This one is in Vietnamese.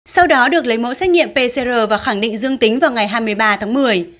sau đó được lấy mẫu xét nghiệm pcr và khẳng định dương tính vào ngày hai mươi ba tháng một mươi